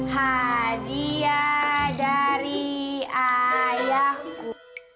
hadiah dari ayahku